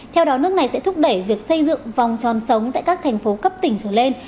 theo đó nước này sẽ thúc đẩy việc xây dựng vòng tròn sống tại các thành phố cấp tỉnh trở lên